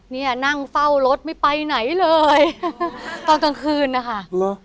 เนี่ยนั่งเฝ้ารถไม่ไปไหนเลยตอนกลางคืนนะคะเหรอ